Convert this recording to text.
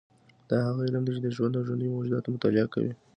دا هغه علم دی چې د ژوند او ژوندیو موجوداتو مطالعه کوي